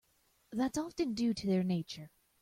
That's often due to their nature.